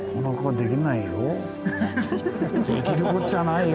できるこっちゃないよ